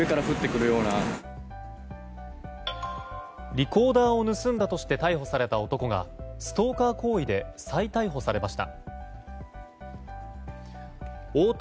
リコーダーを盗んだとして逮捕された男がストーカー行為で再逮捕されました。